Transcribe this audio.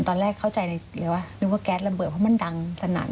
ตอนแรกเข้าใจในตัวนึกว่าแก๊สระเบิดเพราะมันดังสนั่น